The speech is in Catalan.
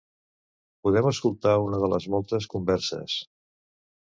podem escoltar una de les moltes converses